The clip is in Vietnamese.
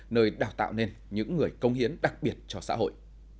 nơi đào tạo nên những người công hiến đặc biệt cho xã hội